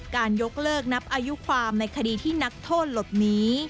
ยกเลิกนับอายุความในคดีที่นักโทษหลบหนี